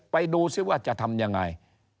ไปดูซิว่าจะทำยังไง